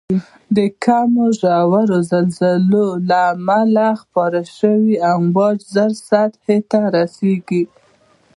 د کمو ژورو زلزلو له امله خپاره شوی امواج زر سطحې ته رسیږي.